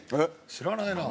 知らないな。